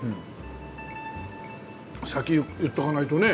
先言っとかないとね。